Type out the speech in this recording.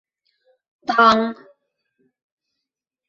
Таң